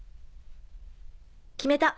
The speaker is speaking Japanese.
決めた！